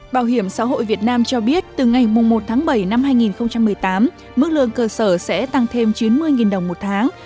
bảo hiểm xã hội việt nam cho biết từ ngày một tháng bảy năm hai nghìn một mươi tám mức lương cơ sở sẽ tăng thêm chín mươi đồng một tháng